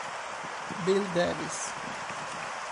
Bill Davis